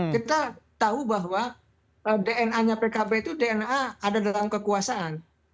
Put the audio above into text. kita tahu bahwa dna nya pkb itu dna ada dalam kekuasaan